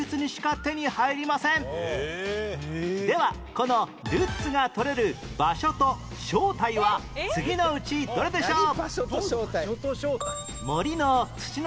ではこのルッツがとれる場所と正体は次のうちどれでしょう？